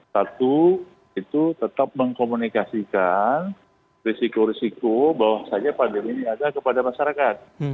satu itu tetap mengkomunikasikan risiko risiko bahwasannya pandemi ini ada kepada masyarakat